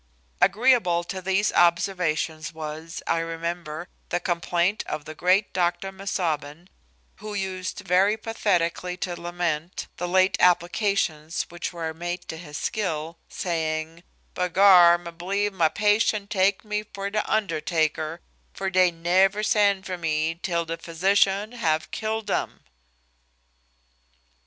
Agreeable to these observations was, I remember, the complaint of the great Doctor Misaubin, who used very pathetically to lament the late applications which were made to his skill, saying, "Bygar, me believe my pation take me for de undertaker, for dey never send for me till de physicion have kill dem."